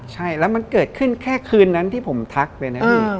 ใช่แล้วมันเกิดขึ้นแค่คืนนั้นที่ผมทักเลยนะพี่